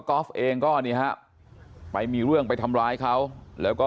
อล์ฟเองก็นี่ฮะไปมีเรื่องไปทำร้ายเขาแล้วก็